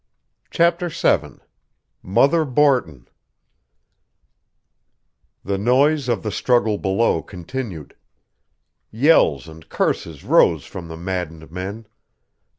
CHAPTER VII MOTHER BORTON The noise of the struggle below continued. Yells and curses rose from the maddened men.